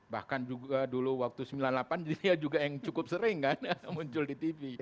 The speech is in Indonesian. bahkan juga dulu waktu sembilan puluh delapan dia juga yang cukup sering kan muncul di tv